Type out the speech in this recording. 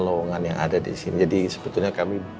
lowongan yang ada di sini jadi sebetulnya kami